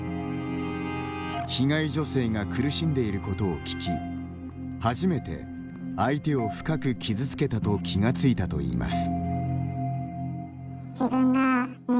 被害女性が苦しんでいることを聞き初めて、相手を深く傷つけたと気が付いたといいます。